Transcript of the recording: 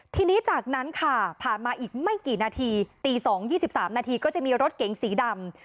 ทีนี้จากนั้นค่ะผ่านมาอีกไม่กี่นาทีตี๒๒๓นาทีก็จะมีรถเก๋งสีดำ